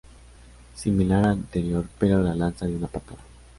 Similar al anterior pero la lanza de una patada.